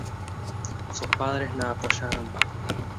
Sus padres la apoyaron.